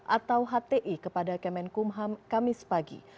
atau hti kepada kemenkumham kamis pagi